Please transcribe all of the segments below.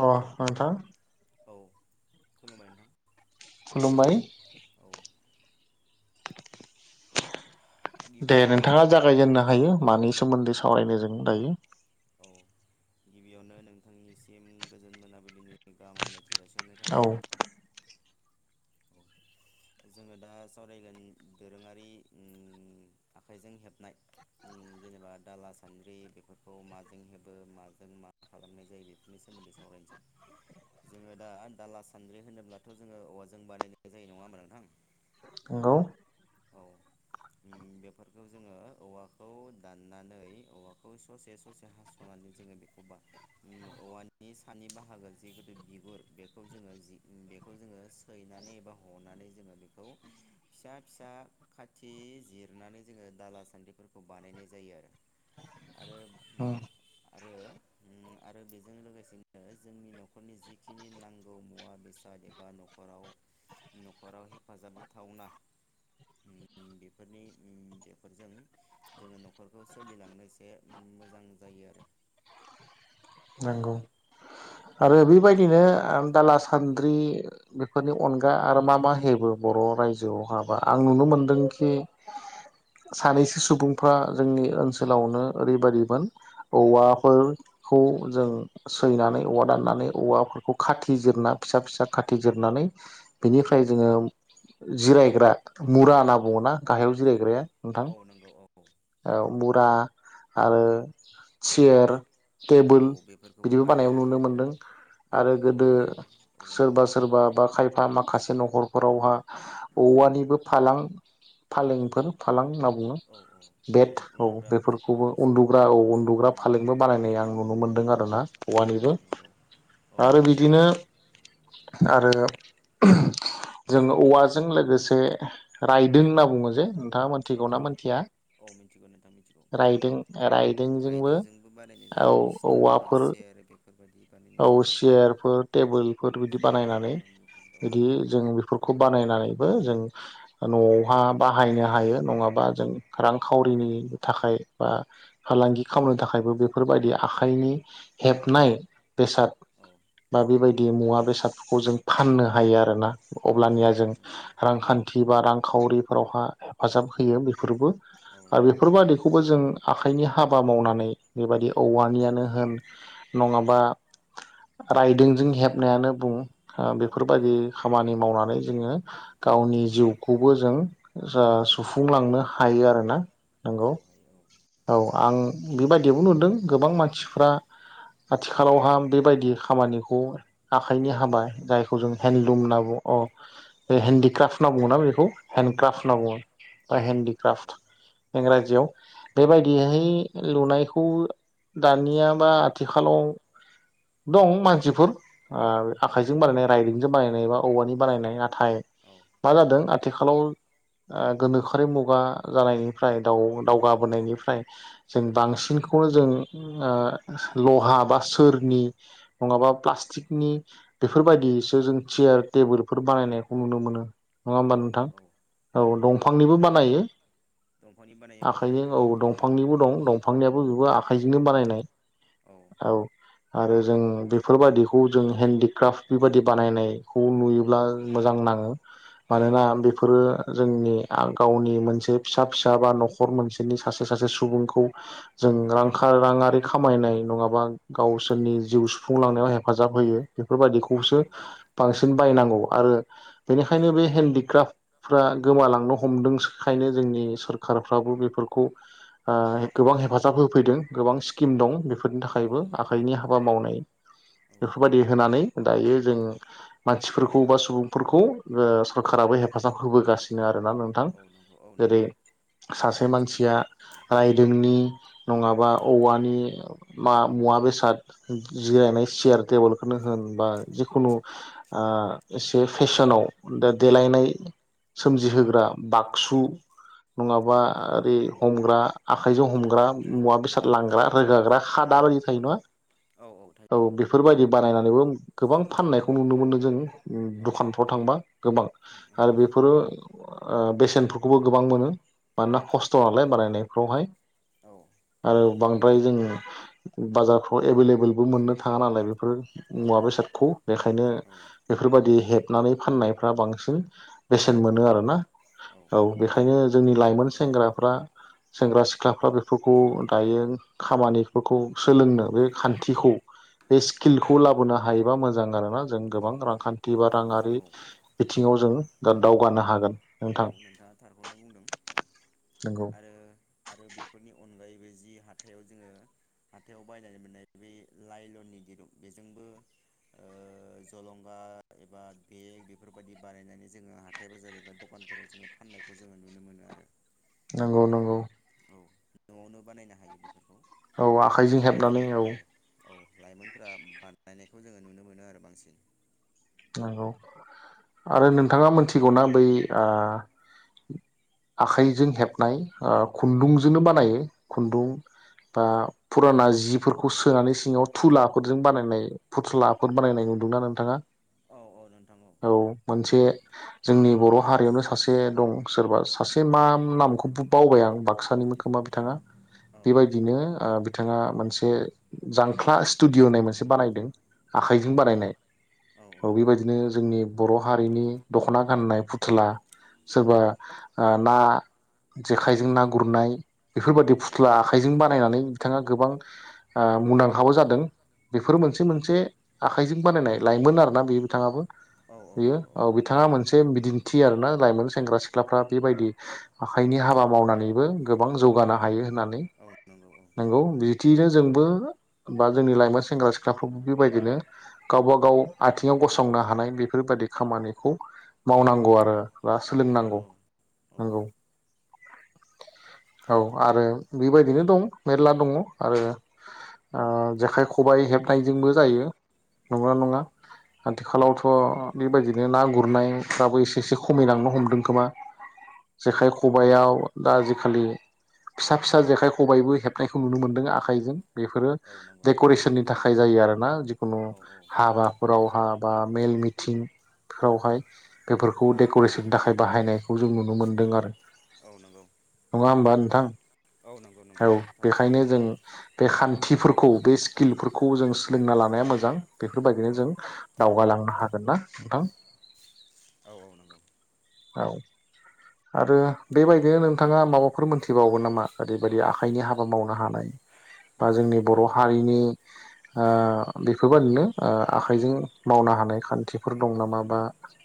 अ नोंथां औ खुलुबाय नोंथां खुलुमबाय औ दे गिबियावनो नोंथांङा नों औ जागायजेननो हायो मानि सोमोन्दै सा रायनो जों दायो औ गिबियावनो नोंथांनिसिम गोजोन मोनाबिलिनि गाहाम हामलायथि जासिहरनाय औ थाबाय जोङो दा सावरायगोन दोरोङारि ओम आखाइजों हेबनाय ओम जेनेबा दाला सानद्रि बेफोरखौ माजों हेबो माजों मा खालामनाय जायो बेफोरनि सोमोन्दै सावरायनोसै जोङो दा दाला सानद्रि होनोब्लाथ जोङो औवा जों बानायनाय जायो नङा होमब्ला नोंथां नंगौ औ ओम बेफोरखौ जोङो औवाखौ दाननानै औवाखौ ससे ससे हासनानै जोङो बेखौ बा औवानि सानि बाहागो जिखथु बिगुर बेखौ जोङो जि बेखौ जोङो सैनानै एबा हनानै जोङो बेखौ फिसा फिसा खाथि जिरनानै जोङो दाला सान्द्रिफोरखौ बानायनाय जायो आरो आरो उम आरो ओम आरो बेजों लोगोसेनो जोंनि नखरनि जिखिनि नांगौ मुवा बेसाद एबा नखराव नखराव हेफाजाब होथावना ओम बेफोरनि ओम बेफोरजों जोङो नखरखौ सोलिलांनो एसे ओम मोजां जायो आरो नंगौ औ आरो बेबायदिनो दाला सान्द्रि बेफोरनि अनगा आरो मा मा हेबो बर रायजोआव हाबा आं नुनो मोनदोंखि सानैसो सुबुंफ्रा जोंनि ओनसोलावनो ओरैबायदिमोन औवाफोर खौ जों सैनानै औवा दाननानै औवाफोरखौ खाथि जिरना फिसा फिसा खाथि जिरनानै बेनिफ्राय जोङो जिरायग्रा मुरा होनना बुङोना गाहायाव जिरायग्राया नोंथां औ नंगौ औ औ मुरा आरो सियेर औ टेबोल बेफोरखौबो बिदिबो बानायाव बानायनो नुनो हायो औ मोनदों आरो बेफोरखौबो गोदो बानायनो हायो सोरबा औवानिफ्राय सोरबा बा खायफा माखासे नखर रावहा औवानिबो फालां फालेंफोर फालां होनना बुङो औ औ बेट फालें औ उन्दुग्रा बिस औ बेफोरखौबो बिसना उन्दुग्रा औ बेफोरखौ नुनो उन्दुग्रा मोनो औ फालेंबो बानायनाय आं नुनो मोनदों औ आर ना औ औवानिबो नंगौ औ आरो बिदिनो आरो जोङो औवाजों लोगोसे रायदों होनना बुङो जे नोंथाङा औ मोन्थिगौ औ ना मोन्थिया औ मिथिगौ नोंथां मिथिगौ रायदों रायदोंजोंबो बानायनाय औ जायो बिसना एबा औवाफोर सेर बेफोरबायदि बानायनाय औ जायो आरो सियारफोर टेबोलफोर बिदि सेर बानायनानै फालें बेफोर बिदि औ जों बेफोरखौ बानायनानैबो जों न'आवहा बाहायनो हायो नङाबा जों रांखावरिनि थाखाय बा फालांगि खालामनो थाखायबो बेफोरबायदि आखाइनि हेबनाय बेसाद औ बा बेबायदि मुवा बेसादफोरखौ जों फाननो हायो आरोना औ अब्लानिया जों नंगौ नंगौ औ रांखान्थि जिबा रांखावरिफोरावहा हेफाजाब होयो बेफोरबो औ आरो नंगौ औ बेफोरबादिखौबो जों आखाइनि हाबा मावनानै बेबायदि औवानियानो होन नङाबा रायदोंजों हेबनायानो बुं औ बेफोर बादि खामानि मावनानै जोङो गावनि जिउखौबो जों सुफुंलांनो हायो आरो ना। औ नंगौ। औ हायो औ औ नंगौ आं बेबायदियावबो नुदों गोबां मानसिफ्रा आथिखालावहा बेबायदि खामानिखौ आखाइनि हाबाय जायखौ जों हेन्दलुम होनना ब औ बे हेन्डिक्राफ्ट होनना बुङोना बेखौ औ हेन्दडक्राफ होनना बुङो औ बा हेन्ददिक। इंराजियाव बेबायदिहै लुनायखौ दानिया बा आथिखालाव दं मानसिफोर औ आखाइजों दं औ बानायनाय राइदिंजों बानायनाय बा औवानि बानायनाय थाय औ मा जादों। आथिखालाव ओ गोनोखोआरि मुगा जानायनिफ्राय दावगाबोनायनिफ्राय जों बांसिनखौनो जों ओ लहा बा सोरनि नङाबा प्लास्टिकनि बेफोरबायदिसो जों चेयार टेबोलफोर बानायनायखौ नुनो मोनो। नङा औ होमबा नंगौ नोंथां? औ औ दंफांनिबो बानायो। दंफांनि बानायो आखाइजों औ दंफांनिबो बानायो औ दंफांनिबो दं दंफांनियाबो बेबो औ आखाइजोंनो बानायनाय औ आरो जों बेफोरबायाददिखौ जों हेन्डिक्राफ्ट बेबायदि बानायनायखौ नुयोब्ला मोजां नाङो। औ मानोना बेफोरो जोंनि गावनि मोनसे फिसा फिसा बा नखर मोनसेनि सासे सासे सुबुंखौ जों औ रां राङारि खामायनाय नङाबा गावसोरनि जिउ सुफुंलांनायाव हेफाजाब होयो। औ बेफोरबायाददिखौसो नंगौ औ बांसिन बायनांगौ आरो बेनिखायनो बे हेन्डक्राफ्टफ्रा गोमालांनो हमदों सोखायनो। जोंनि सरखारारफ्राबो बेफोरखौ ओ गोबां हेफाजाब होफैदों गोबां स्किम दं। बे बेफोरनि औ थाखायबो नंगौ औ आखाइनि हाबा मावनाय औ बेफोरबायाददि होनानै दायो जों मानसिफोरखौ बा सुबुंफोरखौ सरखाराबो हेफाजाब होबोगासिनो आरो। ना नोंथां? औ नंगौ औ जेरै नंगौ बे सासे थारैनो सैथो मानसिया रायदोंनि नङाबा औवानि मा मुवा बेसाद जिरायनाय सियार टेबोलफोरनो होन बा जिखुनु एसे फेसनाव दा देलायनाय सोमजिहोग्रा बक्सु नङाबा ओरै हमग्रा आखाइजों हमग्रा मुवा बेसाद लांग्रा रोगाग्रा खादा ओदि थायो नङा औ औ थायो औ। बेफोरबायदि बानायनानैबो गोबां फाननायखौ नुनो मोनो जों औ दखानफ्राव थांबा गोबां आरो बेफोरो बेसेनफोरखौबो गोबां मोनो मानोना खस्थ' नालाय बानायनायफ्रावहाय औ आरो बांद्राय ज बारफ्राव एभलेबबो मोननो थाङा नालाय। बेफोर औ मुवा बेसादखौ। बेखायनो बेफोरबायदि हेप हाबनानै फाननायफ्रा बांसिन बेसेन औ मोनो आर ना। औ बेखायनो जोंनि लाइमोन आरो औ सेंग्राफ्रा सेंग्रा सिख् सिख्लाफ्रा बेफोरखौ दायो खामानिफोरखौ सोलोंनो बे खान्थिखौ बे स्किलखौ लाबोनो हायोबा मोजां आरोना जों औ गोबां औ रांखान्थि औ बा नंगौ राङारि औ बिथिङाव जों दा दावगानो हागोन नोंथां नो बुं नंगौ आरो आरो बेफोरनि अन अनैबो जि हाथायाव जोङो हाथायाव बायनानै मोननाय बे लाइलननि दिरुं बेजों ओ जलंगा एबा बेग बेफोरबायाददि बानायनानै जङो हाथाय बाजार फोराव जोङो फाननायखौ जोङो नुनो मोनो आरो नंगौ नंगौ औ नआवनो बानायनो हायो बेफोरखौ औ आखाइजों जेनेबा हेबनानै जोंनि औ औ लाइमोनफोरा बानायनायखौ जोङो नुनो मोनो आरो बांसिन नंगौ आरो नोंथाङा मोनथिगौनाा बै आखाइजों हेबनाय खुन्दुंजोंनो बानायो खुन्दुं बा फुराना जिफोरखौ सोनानै सिङाव थुलाफोरजों बानायनाय फुथ्लाफोर बानायनाय नुदोंना नोंथाङा? औ औ नोंथां औ मोनसे जोंनि बर हारियावनो सासे दं सोरबा सासे मा नामखौ बावबाय आं बाक्सानिबो खोमा बिथाङा औ बेबायदिनो बिथाङा मोनसे जांख्ला स्टुडियहोननाय मोनसे बानायदों औ आखाइजों बानायनाय औ बेबायदिनो जोंनि बर हारिनि दखना गाननाय फुथ्ला सोरबा ना जेखाइजों ना गुरनाय बेफोरबायाददि औ औ फुस्ला आखाइजों बा नायनानै बिथाङा गोबां मुंदांखाबो जादों बेफोरो औ मोनसे मोनसे आखाइजों बानायनाय लाायमोन आरो [unintelligible] बिथाङाबो औ औ बियो नंगौ औ बिथाङा मोनसे बि दिन्थि आरोना लाइमोन सेंग्रा सिख्लाफ्रा बेबायदि आखाइनि हाबा मावनानैबो गोबां जौगानो हायो होननानै औ नंगौ औ नोंगौ थियैनो जोंबो बा जोंनि लाइमोन सेंग्रा सिख्लाफोर बेबायदिनो गावबा गाव आथिङाव गसंनो हानाय बेफोरबायाददि खामानिखौ मावनांगौ आरो बा औ नंगौ सोलोंनांगौ औ औ नंगौ। औ आरो बेबायदिनो दं मेरला दङ आरो ओ जेखाइ, खबाइ हेबनायजोंबो जायो। औ नंगौना नङा। आथिखालावथ बेबायदिनो ना गुरनायफ्राबो एसे एसे खमायलांनो हमदों खोमा जेखाइ खबाइआव दा आजिखालि फिसा फिसा जेखाइ खबाइबो हेबनायखौ नुनो मोनदों आखाइजों। बेफोरो औ नंगौ औ डेकरेसननि थाखाय जायो आरो ना जिखुनु औ हाबा। हाबा मेल मिथिंफोरावहाय। बेफोरखौ डकरेसननि थाखाय। बाहायनायखौ जों नुनो मोन्दों आरो। औ नंगौ। नङा होमबा नोंथां। औ नंगौ नंगौ औ थारैनो बेखायनो सैथो जों बे खान्थिफोर खौ बे स्किलफोरखौ जों सोलोंना लानाया मोजां औ बेफोरबायदिनो जों। दावगालांनो हागोन ना नोंथां। औ औ नंगौ। औ आरो बेबायदिनो नोंथाङा माबाफोर मोनथिबावगोन नामा ओरैबायदि आखाइनि हाबा मावनो हानाय बा औ जोंनि बर हारिनि ओ बेफोरबायादिनो ओ। आखाइजों मावनो हानाय खान्थिफोर दं नामा बा।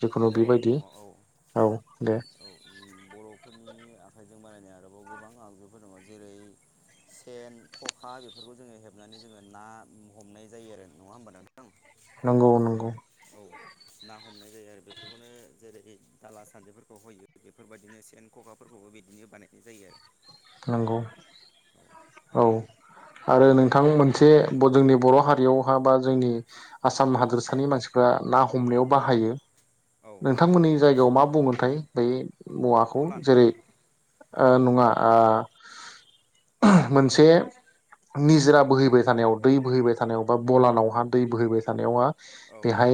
जिखुनु औ बेबायदि दङ औ औ बरफोरनि आखाइ। जों बानायनाय आरोबाव गोबां आगजुफोर दङ जेरै सेन खखा बेफोरखौ जोंङो हेबनानै जोंङो ना हमनाय जायो आरो नङा होनबा नोंथां। नंगौ नंगौ। औ ना हमनाय जायो आरो बेफोरखौनो जेरै दाला सान्द्रिफोरखौ होयो बेफोरबायदिनो सेन खखाफोरखौबो बिदिनो बानायनाय जायो आरो। नंगौ औ औ आरो नोंथां मोनसे जोंनि बर हारियावहा बा जोंनि आसाम हादोरसानि मानसिफ्रा ना हमनायाव बाहायो। औ नोंथांमोननि जायगायाव माब बुंगोनथाय बे। मुवाखौ फलान जेरै। ओ नङा। ओ मोनसे निजोरा बोहैबाय थानायाव दै बोहैबाय थानायाव बा बलानावहा दै बोहैबाय थानायावहा औ औ बेहाय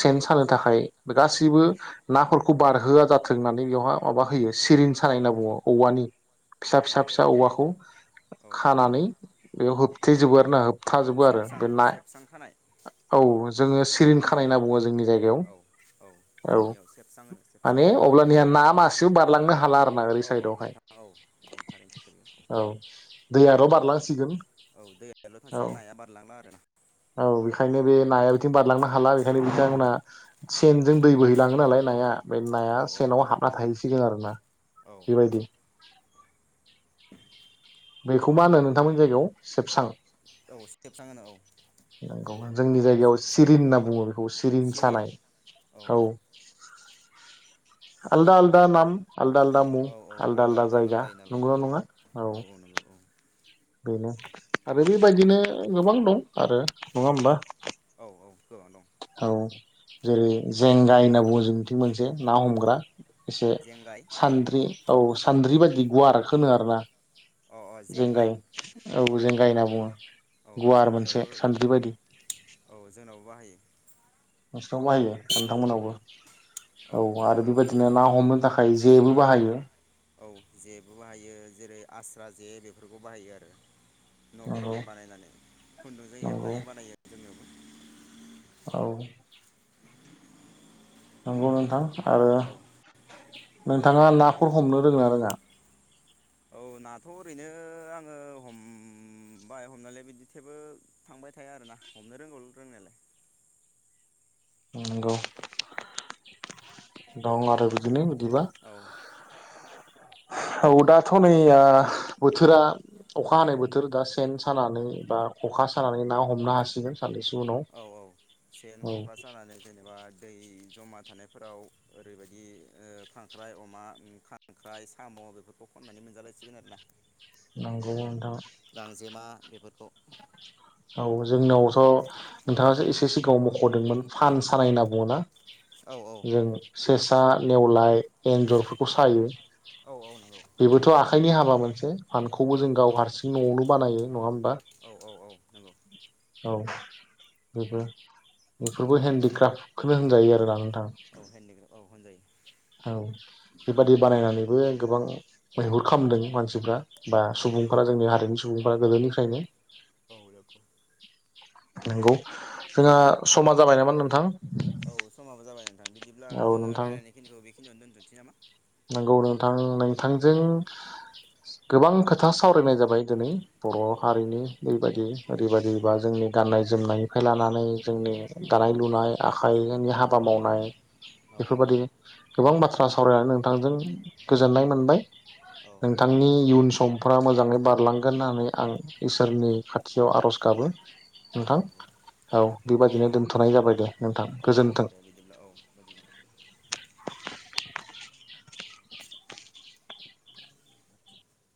सेन सानो थाखाय बे गासैबो नाफोरखौ बारहोआ जाथों होननानै बेवहा माबा होयो सिरिन सानाय होनना बुङो औवानि। फिसा औ फिसा फिसा औवाखौ औ खानानै बेयाव होबथेजोबो आरोना। औ खाजोबो आरो सेबसां बे ना सेबसां खानाय औ। जोंङो सिरिन खानाय होनना बुङो जोंनि। जोंनि जायगायाव औ औ औ जोंनियाव सेबसां होनो सेबसां माने अब्लानिया ना मासे सो बारलांनो हाला आरो। नाओरै औ साइडआवहाय। नोंथां औ औ थारैनो सैथो बेयो औ दैआ ल बारलांसिगोन। औ दैयाल औ थांसिगोन नाया बारलांला आरोना। औ बेखायनो बे नाया बिथिं बारलांनो हाला बेखायनो बिथांमोना सेनजों दै बोहैलाङो नालाय नाया। बे नाया औ औ सेनाव हाबना थायोसै। गियो आरोना। औ जोबायदि [unintelligible] बेखौ मा होनो नोंथांमोननि जायगायाव सेबसां औ सेबसां होनो औ नंगौ जोंनि जायगायाव सेबसां सिरिन होनना बुङो बेखौ सिरिन सानाय औ आलदा आलदा नाम आलदा आलदा मुं औ औ आलदा आलदा नाम जायगा जायो नालाय नंगौ औ नङा औ। बेनो आरो बेबायदिनो गोबां दं आरो नङा होमबा औ औ। गोबां दं औ। जेरै जेंगाय होनना बुङो जोंथिं मोनसे ना हमग्रा एसे जेंगाय सान्द्रि औ सान्द्रि बायदि गुवारखो होनो आरो ना अ अ जेंगाय औ जेंगाय होनना बुङो औ गुवार मोनसे जोंनियावबो सान्द्रि बायदि औ जोंनावबो बाहायो नोंसिनाव बाहायो नोंथांमोनावबो औ आरो जोंनावबो बेबायदिनो औ ना हमनो थाखाय जेबो जेखाय औ बाहायो औ जेबो बाहायो जेरै आस्रा जे बेफोरखौ बाहायो आरो नंगौ नफोरावनो बानायनानै खुन्दुंजों नंगौ हेबनानै बानायो जोङो औ नंगौ नोंथां आरो औ नोंथाङा नाफोर हमनो रोङोना रोङा औ नाथ ओरैनो आङो हम बाय हमनायलाय बिदि थेबो थांबाय थाया आरोना हमनो रोंगौ रोंनायालाय नंगौ दं आरो बिदिनो दिबा औ औ दाथ नैया बोथोरा अखा हानाय बोथोर दा सेन सानानै बा खखा सानानै ना हमनो हासिगोन साननैस औ औ सेन खका सानानै जेनेबा दै जमा थानायफोराव ओरैबायदि ओ खांख्राइ अमा खांख्राइ साम बेफोरखौ खननानै मोनजालायसिगोन आरोना नंगौ नोंथां गांजेमा बेफोरखौ औ जोंनावथ नोंथाङासो एसे सिखाव मख हरदोंमोन फान सानाय होनना बुंओना औ औ जों फेसा नेवलाय एन्जरफोरखौ सायो औ औ नंगौ बेबोथ आख थायनि हाबा मोनसे फानखौबो औ जों गाव हारसिं नआवनो बानायो नङा होमबा औ औ औ नंगौ औ बेबो बेफोरखौ औ हेन्डिक्राफ्ट खोबो होनजायो आरो आं औ हेन्डिक्राफ्ट औ होनजायो औ बेबादि बानायनानै बेबो गोबां मैहुर खालामदों मानसिफ्रा बा सुबुंफोरा जोंनि हारिनि सुबुंफ्रा गोदोनिफ्रायनो औ नंगौ जोंहा समा जाबाय नामा नोंथां औ समाबो जाबाय नोंथां बिदिब्ला औ जोङो रायलायनाय खिनिखौ बेखिनियावनो दोनथनोसै नामा। नोंगौ नोंथां औ नोंथांजों गोबां खोथा सावरायनाय जाबाय दिनै। बर' औ हारिनि ओयबायदि। ओरैबायदिबा जोंनि गान्नाय जोमनायनिफ्राय लानानै जोंनि औ दानाय लुनाय आखाइनि हाबा मावनाय औ बेफोरबायदि गोबां बाथ्रा सावरायनानै नोंथांजों गोजोननाय मोनबाय। औ नोंथांनि इयुन समफ्रा मोजाङै बारलांगोन होननानै आं इसोरनि खाथियाव आरज गाबो औ नोंथां नंगौ औ बेबादिनो दोन्थनाय जाबाय दे नोंथां औ औ गोजोन्थों। दे बिदिब्ला औ गोजोनथों